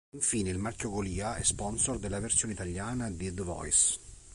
Infine, il marchio Golia è sponsor della versione italiana di The Voice.